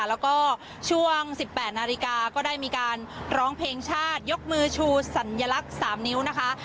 แล้วก็ช่วง๑๘นาฬิกาก็ได้มีการร้องเพลงชาติยกมือชูสัญลักษณ์๓นิ้วนะคะ